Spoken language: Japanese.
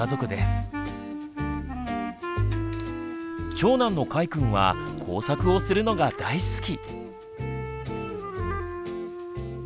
長男のかいくんは工作をするのが大好き。